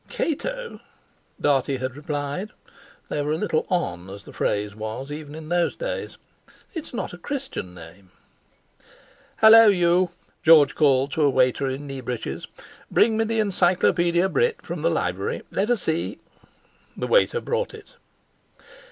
"Cato!" Dartie had replied—they were a little 'on' as the phrase was even in those days—"it's not a Christian name." "Halo you!" George called to a waiter in knee breeches. "Bring me the Encyc'pedia Brit. from the Library, letter C." The waiter brought it.